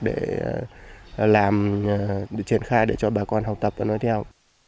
để làm triển khai để cho bà con học tập và nói theo